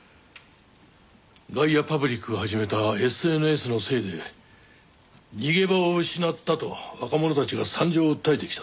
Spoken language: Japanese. ガイアパブリックが始めたＳＮＳのせいで逃げ場を失ったと若者たちが惨状を訴えてきた。